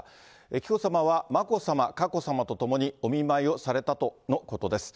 紀子さまは、眞子さま、佳子さまと共に、お見舞いをされたとのことです。